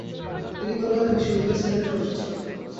তিনি কলিকাতা বিশ্ববিদ্যালয়ের সিনেটের সদস্য ছিলেন।